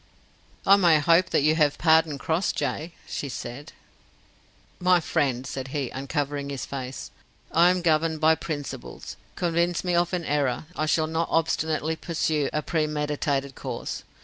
"I may hope that you have pardoned Crossjay?" she said. "My friend," said he, uncovering his face, "I am governed by principles. Convince me of an error, I shall not obstinately pursue a premeditated course.